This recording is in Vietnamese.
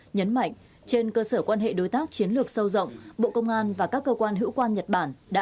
nhấn mạnh trên cơ sở quan hệ đối tác chiến lược sâu rộng bộ công an và các cơ quan hữu quan nhật bản đã